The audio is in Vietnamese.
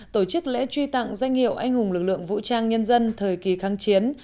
tổ chức lễ truy tặng danh hiệu anh hùng lực lượng vũ trang nhân dân thời kỳ kháng chiến